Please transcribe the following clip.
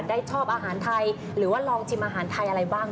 อืมรู้ไหมว่าดังมากเลยตอนนี้